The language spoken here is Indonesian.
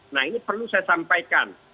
nah ini perlu saya sampaikan